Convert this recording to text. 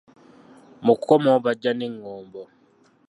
Mu kukomawo bajja n’engombo.